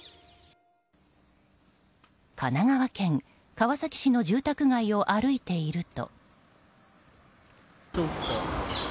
神奈川県川崎市の住宅街を歩いていると。